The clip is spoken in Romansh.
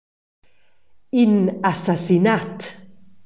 In assassinat.